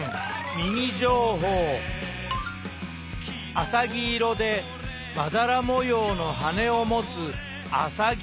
あさぎ色でまだら模様の羽を持つアサギ